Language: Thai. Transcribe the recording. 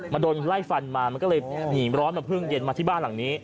โดนไล่ฟันมามันก็เลยหนีร้อนมาพึ่งเย็นมาที่บ้านหลังนี้